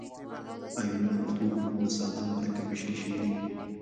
آیونونه په دوه ګروپو ساده او مرکب ویشل شوي دي.